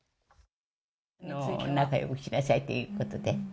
仲よくしなさいということで。